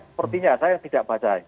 sepertinya saya tidak baca